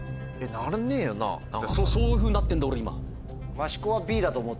そういうふうになってんだ俺